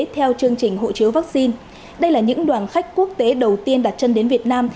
theo chương trình hộ chiếu vaccine đây là những đoàn khách quốc tế đầu tiên đặt chân đến việt nam